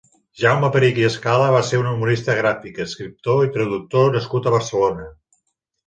Jaume Perich i Escala va ser un humorista gràfic, escriptor i traductor nascut a Barcelona.